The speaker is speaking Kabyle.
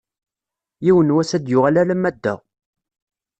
Yiwen n wass ad d-yuɣal alamma d da.